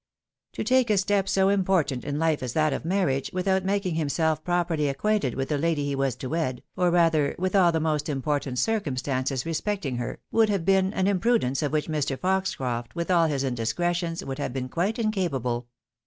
To take a step so important in life as that of marriage, without making himself properly ac quainted with the lady he was to wed, or rather, with all the most important circumstances respecting her, would have been an imprudence of which Mr. Foxcroft, with all his indiscretions, would have been quite incapable.